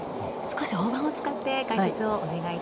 少し大盤を使って解説をお願いいたします。